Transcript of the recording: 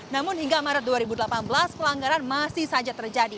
namun hingga maret dua ribu delapan belas pelanggaran masih saja terjadi